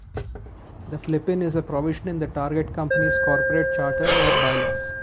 The flip-in is a provision in the target company's corporate charter or bylaws.